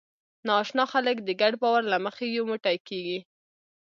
ناآشنا خلک د ګډ باور له مخې یو موټی کېږي.